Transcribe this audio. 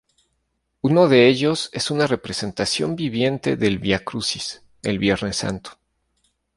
Uno de ellos, es una representación viviente del Vía Crucis, el Viernes Santo.